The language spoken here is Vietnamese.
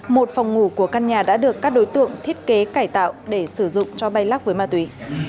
một phòng ngủ của căn nhà đã được các đối tượng thiết kế cải tạo để sử dụng cho bay lắc với ma túy